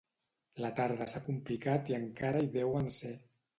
La tarda s'ha complicat i encara hi deuen ser